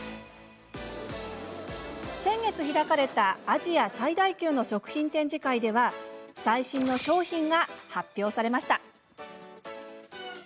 先月、開かれたアジア最大級の食品展示会では最新の商品が発表されました。